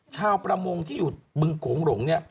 ชาวประมงที่อยู่บึงโขงหลง